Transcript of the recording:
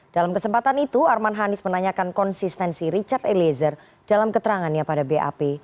dalam kesempatan itu arman hanis menanyakan konsistensi richard eliezer dalam keterangannya pada bap